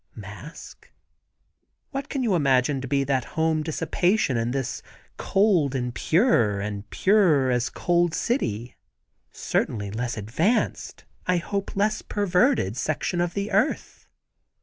"Masque? What can you imagine to be that home dissipation in this cold and pure, and pure as cold city; certainly less advanced, I hope, less perverted section of the earth.